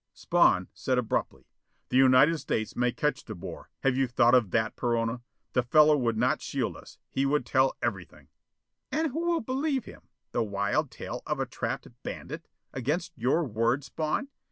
Spawn said abruptly: "The United States may catch De Boer. Have you thought of that, Perona? The fellow would not shield us, but would tell everything." "And who will believe him? The wild tale of a trapped bandit! Against your word, Spawn?